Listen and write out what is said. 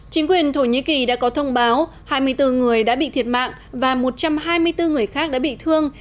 chính quyền thổ nhĩ kỳ đã có thông báo hai mươi bốn người đã bị thiệt mạng và một trăm hai mươi bốn người khác đã bị thương